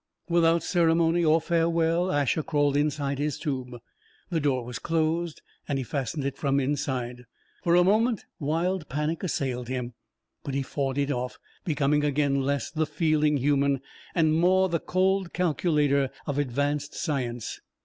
Without ceremony or farewell, Asher crawled inside his tube. The door was closed and he fastened it from inside. For a moment, wild panic assailed him. But he fought it off, becoming again less the feeling human and more the cold calculator of advanced science.